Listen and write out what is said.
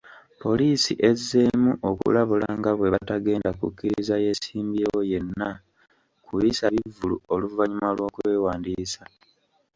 Poliisi ezzeemu okulabula nga bwe batagenda kukkiriza yeesimbyewo yenna kuyisa bivvulu oluvannyuma lw'okwewandiisa